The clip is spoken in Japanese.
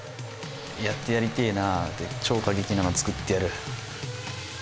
「やってやりてえな」で超過激なの作ってやる。